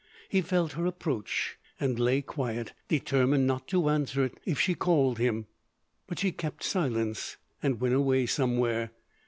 He felt her approach, and lay quiet, determined not to answer if she called him. But she kept silence, and went away somewhere.